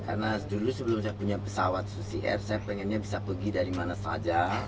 karena dulu sebelum saya punya pesawat susi air saya pengennya bisa pergi dari mana saja